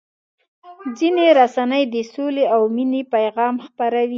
ځینې رسنۍ د سولې او مینې پیغام خپروي.